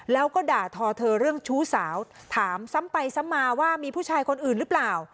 แล้วก็ด่าทอเธอเรื่องชู้สาวถามซ้ำไปซ้ำมาว่ามีผู้ชายคนอื่นหรือเปล่า